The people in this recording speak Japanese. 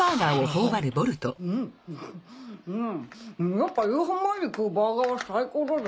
やっぱ夕飯前に食うバーガーは最高だぜ。